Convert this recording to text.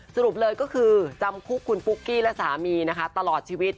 สรุปเลยก็คือจำคุกคุณปุ๊กกี้และสามีนะคะตลอดชีวิต